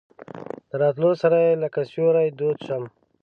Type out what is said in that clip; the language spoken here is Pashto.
د راتلو سره یې لکه سیوری دود شم.